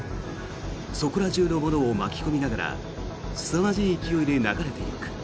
そこら中のものを巻き込みながらすさまじい勢いで流れていく。